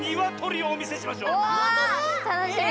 たのしみ！